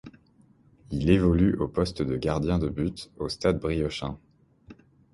Il évolue au poste de gardien de but au Stade briochin.